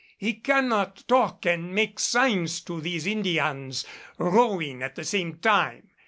He cannot talk and make signs to these Indians, rowing at the same time.